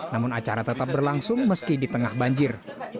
namun acara tetap berlangsung meski di tengah banjir